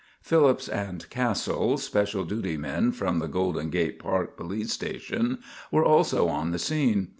Phillips and Castle, special duty men from the Golden Gate Park police station, were also on the scene.